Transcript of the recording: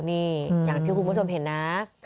นี่อย่างที่คุณผู้ชมเห็นนะ